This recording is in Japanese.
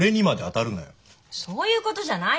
そういうことじゃないでしょ。